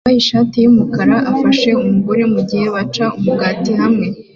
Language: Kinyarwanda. umugabo wambaye ishati yumukara afasha umugore mugihe baca umugati hamwe